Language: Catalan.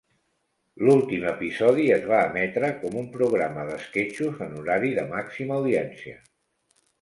L'últim episodi es va emetre com un programa d'esquetxos en horari de màxima audiència.